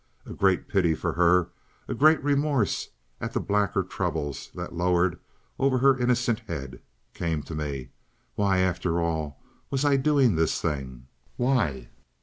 A great pity for her, a great remorse at the blacker troubles that lowered over her innocent head, came to me. Why, after all, was I doing this thing? Why?